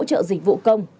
các tổ hỗ trợ dịch vụ công